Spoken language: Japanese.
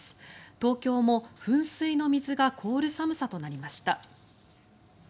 東京も噴水の水が凍る寒さとなりました。